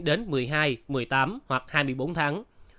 đến một mươi hai một mươi tám hoặc hai mươi bốn tháng